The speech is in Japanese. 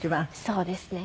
そうですね。